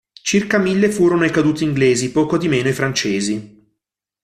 Circa mille furono i caduti inglesi, poco di meno i francesi.